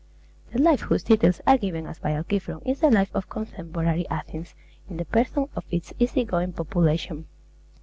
The life whose details are given us by Alciphron is the life of contemporary Athens in the persons of its easy going population.